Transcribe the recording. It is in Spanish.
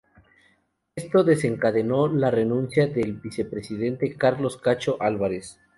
Esto desencadenó la renuncia del vicepresidente Carlos "Chacho" Álvarez.